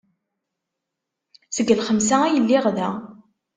Seg lxemsa ay lliɣ da.